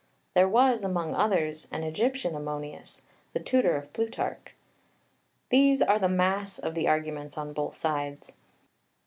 There was, among others, an Egyptian Ammonius, the tutor of Plutarch. These are the mass of the arguments on both sides.